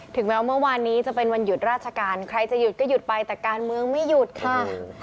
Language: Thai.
ถึงแม้ว่าเมื่อวานนี้จะเป็นวันหยุดราชการใครจะหยุดก็หยุดไปแต่การเมืองไม่หยุดค่ะ